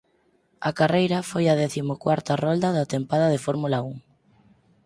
A carreira foi a décimo cuarta rolda da tempada de Fórmula Un.